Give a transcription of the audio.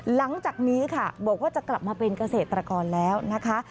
หลังจากนี้ค่ะบอกว่าจะกลับมาเป็นเกษตรกรแล้วนะคะ